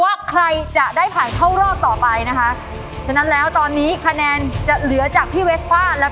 ก็จะเอาคำติชมนะคะคำแนะนำของกรรมการทุกคนนะคะไปปรับใช้กับเพลงที่หนูจะเล่าในทุกเพลงเลยค่ะ